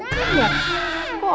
kok gak pernah dilawat sama mama bella